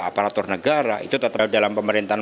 aparatur negara itu terjadi di dalam pemerintahan